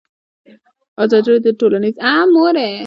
ازادي راډیو د ټولنیز بدلون په اړه د اقتصادي اغېزو ارزونه کړې.